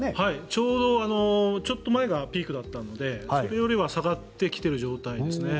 ちょうどちょっと前がピークだったのでそれよりは下がってきている状態ですね。